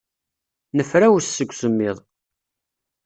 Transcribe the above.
Nefrawes seg usemmiḍ.